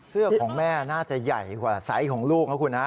เสื้อของแม่น่าจะใหญ่กว่าไซส์ของลูกนะครับคุณ